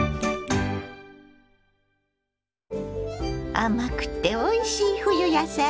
甘くておいしい冬野菜。